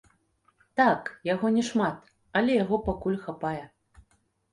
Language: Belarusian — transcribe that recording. Так, яго не шмат, але яго пакуль хапае.